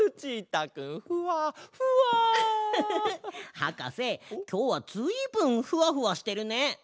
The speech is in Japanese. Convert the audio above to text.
はかせきょうはずいぶんふわふわしてるね。